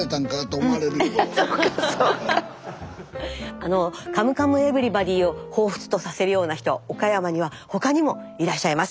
あの「カムカムエヴリバディ」を彷彿とさせるような人岡山には他にもいらっしゃいます。